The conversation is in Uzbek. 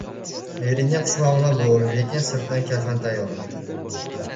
• Eringga hushmuomala bo‘l, lekin sirtdan kafan tayyorla.